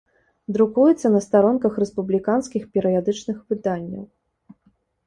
Друкуецца на старонках рэспубліканскіх перыядычных выданняў.